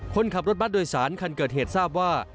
คนขับรถบัตรโดยสารคันเกิดเหตุทราบว่า